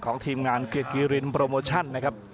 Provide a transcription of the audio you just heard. ของทีมงานเกร็ดเกรียลินพ์โปรโมชั่น